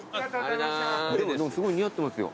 すごい似合ってますよ。